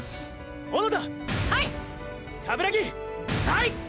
はい！